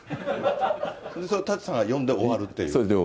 それを舘さんが読んで終わるっていう？